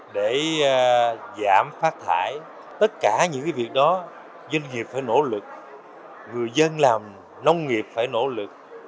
để giảm phát thải tất cả những việc đó doanh nghiệp phải nỗ lực người dân làm nông nghiệp phải nỗ lực